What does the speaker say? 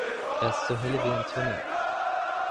Er ist so helle wie ein Tunnel.